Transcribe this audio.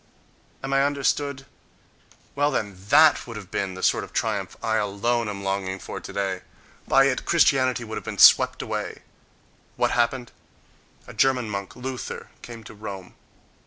Am I understood?... Well then, that would have been the sort of triumph that I alone am longing for today—: by it Christianity would have been swept away!—What happened? A German monk, Luther, came to Rome.